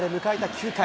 ９回。